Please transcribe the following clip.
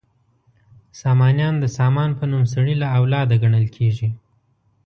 سامانیان د سامان په نوم سړي له اولاده ګڼل کیږي.